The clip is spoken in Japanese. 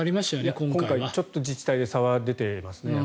今回ちょっと自治体で差は出ていますよね。